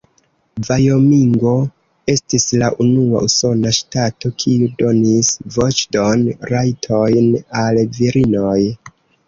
Vajomingo estis la unua usona ŝtato, kiu donis voĉdon-rajtojn al virinoj.